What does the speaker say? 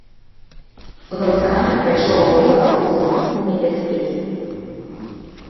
Галасаванне прайшло ва ўмовах узмоцненай бяспекі.